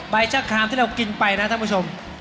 ชะคามที่เรากินไปนะท่านผู้ชม